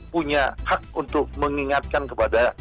punya hak untuk mengingatkan kepada